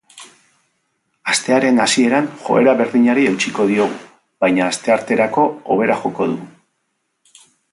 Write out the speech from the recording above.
Astearen hasieran joera berdinari eutsiko diogu baina astearterako hobera joko du.